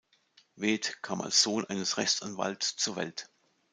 Weth kam als Sohn eines Rechtsanwalts zur Welt.